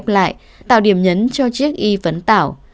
nhưng lại tạo điểm nhấn cho chiếc y phấn tảo